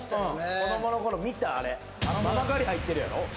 子供の頃見たあれあのままかり入ってるやろ？